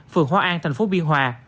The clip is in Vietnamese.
phường hóa an thành phố biên hòa